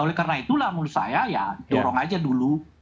oleh karena itulah menurut saya ya dorong aja dulu